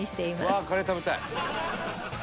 「うわあカレー食べたい」